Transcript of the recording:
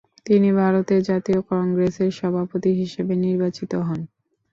তিনি ভারতের জাতীয় কংগ্রেসের সভাপতি হিসাবে নির্বাচিত হন।